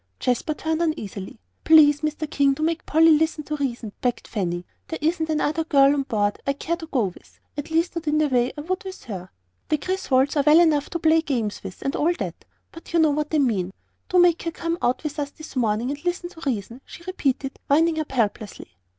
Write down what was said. Jasper turned uneasily. "Please, Mr. King, do make Polly listen to reason," begged Fanny. "There isn't another girl on board I care to go with at least not in the way I would with her. The Griswolds are well enough to play games with, and all that; but you know what I mean. Do make her come out with us this morning, and listen to reason," she repeated, winding up helplessly.